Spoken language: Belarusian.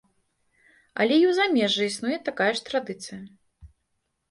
Але і ў замежжы існуе такая ж традыцыя.